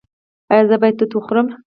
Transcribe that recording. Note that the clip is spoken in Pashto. ایا زه باید توت وخورم؟